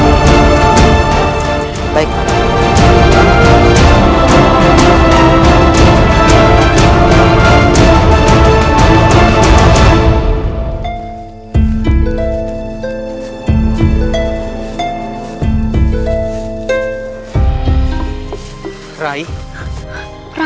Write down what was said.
aku akan membantu kamu mencari kejujuran